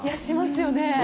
しますよね。